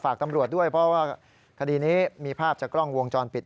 ตำรวจด้วยเพราะว่าคดีนี้มีภาพจากกล้องวงจรปิด